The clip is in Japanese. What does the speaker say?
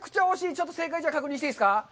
ちょっと正解、じゃあ確認していいですか？